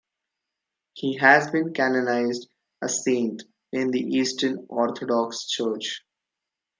He has been canonized a saint in the Eastern Orthodox Church.